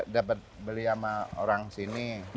dapat beli sama orang sini